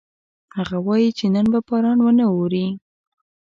هغه وایي چې نن به باران ونه اوري